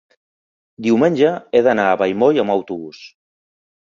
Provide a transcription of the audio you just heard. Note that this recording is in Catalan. diumenge he d'anar a Vallmoll amb autobús.